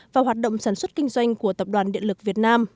và hoạt động sản xuất kinh doanh của tập đoàn điện lực việt nam